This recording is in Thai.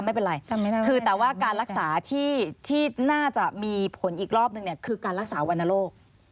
ไม่เป็นไรคือแต่ว่าการรักษาที่น่าจะมีผลอีกรอบนึงคือการรักษาวนโลก